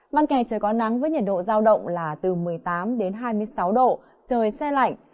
măng kè trời có nắng với nhiệt độ giao động là từ một mươi tám đến hai mươi sáu độ trời xe lạnh